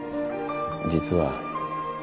実は。